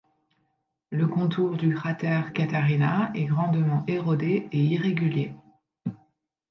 Le contour du cratère Catharina est grandement érodé et irrégulier.